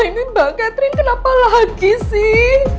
ini mbak catherine kenapa lagi sih